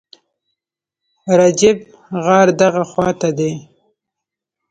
رجیب، غار دغه خواته دی.